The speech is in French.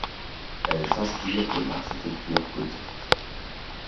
Elle s'inspire de l'architecture gothique.